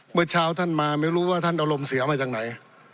เมื่อเช้าท่านมาไม่รู้ว่าท่านอารมณ์เสียมาจากไหน